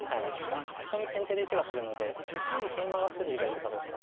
ここに先手で石がくるのでケイマが筋がいいかどうか。